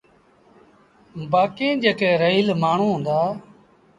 بآڪيٚن جيڪي رهيٚل مآڻهوٚݩ هُݩدآ۔